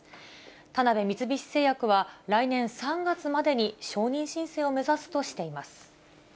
田辺三菱製薬は来年３月までに承認申請を目指すとしています。